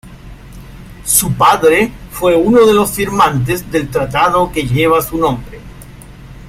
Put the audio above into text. Su padre fue uno de los firmantes del tratado que lleva su nombre.